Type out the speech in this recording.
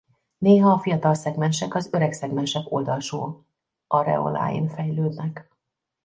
Néha a fiatal szegmensek az öreg szegmensek oldalsó areoláin fejlődnek.